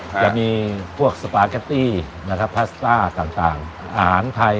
จะมีพวกสปาเกตตี้นะครับพาสต้าต่างอาหารไทย